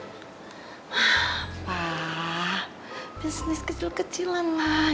apa bisnis kecil kecilan lah